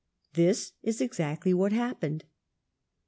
This is exactly what happened.